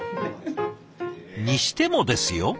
にしてもですよ？